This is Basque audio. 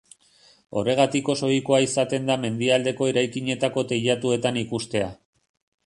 Horregatik oso ohikoa izaten da mendialdeko eraikinetako teilatuetan ikustea.